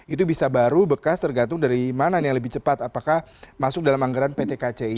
itu bisa baru bekas tergantung dari mana yang lebih cepat apakah masuk dalam anggaran pt kci